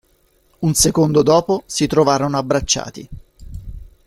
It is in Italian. Un secondo dopo si trovarono abbracciati.